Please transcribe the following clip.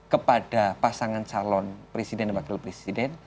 kepada pasangan calon presiden dan wakil presiden